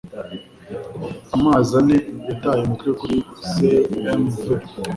Amezi ane Yataye umutwe kuri CMV